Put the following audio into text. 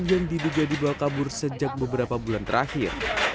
yang diduga dibawa kabur sejak beberapa bulan terakhir